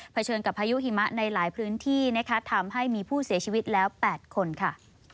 เชิญกับพายุหิมะในหลายพื้นที่นะคะทำให้มีผู้เสียชีวิตแล้ว๘คนค่ะ